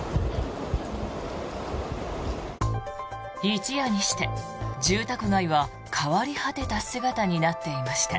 一夜にして住宅街は変わり果てた姿になっていました。